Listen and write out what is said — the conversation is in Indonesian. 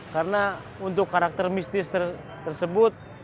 karena untuk karakter mistis tersebut